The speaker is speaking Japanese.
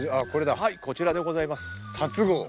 はいこちらでございます。